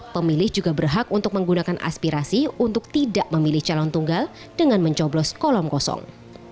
pemilih juga berhak untuk menggunakan aspirasi untuk tidak memilih calon tunggal dengan mencoblos kolom kosong